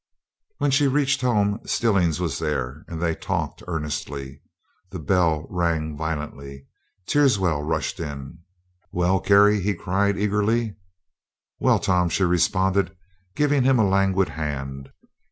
When she reached home Stillings was there, and they talked earnestly. The bell rang violently. Teerswell rushed in. "Well, Carrie!" he cried eagerly. "Well, Tom," she responded, giving him a languid hand.